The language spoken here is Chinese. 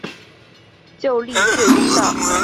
旧隶贵西道。